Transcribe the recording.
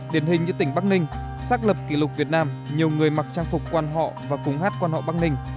điển hình như tỉnh bắc ninh xác lập kỷ lục việt nam nhiều người mặc trang phục quan họ và cùng hát quan họ bắc ninh